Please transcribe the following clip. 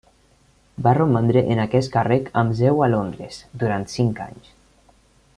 Va romandre en aquest càrrec, amb seu a Londres, durant cinc anys.